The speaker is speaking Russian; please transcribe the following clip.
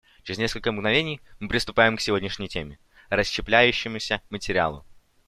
Через несколько мгновений мы приступаем к сегодняшней теме − расщепляющемуся материалу.